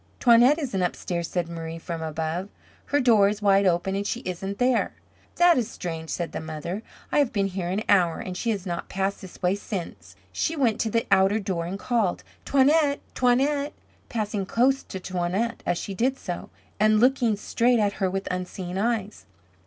"Toinette isn't upstairs," said Marie from above. "Her door is wide open, and she isn't there." "That is strange," said the mother. "I have been here an hour, and she has not passed this way since." She went to the outer door and called, "Toinette! Toinette!" passing close to Toinette as she did so. And looking straight at her with unseeing eyes.